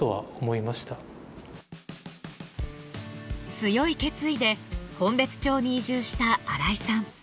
強い決意で本別町に移住した荒井さん。